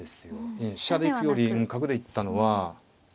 うん飛車で行くよりうん角で行ったのは。